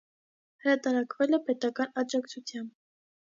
Հրատարակվել է պետական աջակցությամբ։